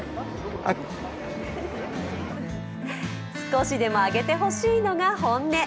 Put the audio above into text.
少しでも上げてほしいのが本音。